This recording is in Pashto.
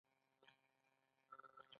رخچينه پر سر که.